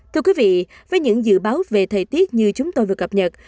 thưa quý vị với những dự báo về thời tiết như chúng tôi vừa cập nhật